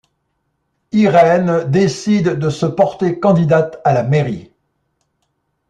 Irene décide de se porter candidate à la mairie.